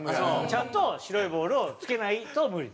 ちゃんと白いボールを撞けないと無理。